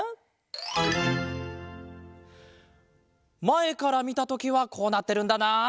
まえからみたときはこうなってるんだなあ。